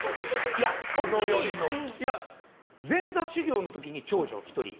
いや、本当に前座修業の時に長女が１人。